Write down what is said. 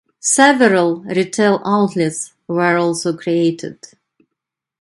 Several retail outlets were also created.